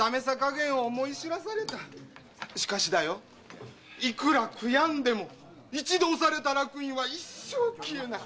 しかしだいくら悔やんでも一度押された烙印は一生消えない。